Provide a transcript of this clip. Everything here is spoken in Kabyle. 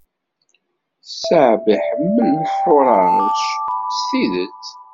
Saeb iḥemmel Horace s tidet.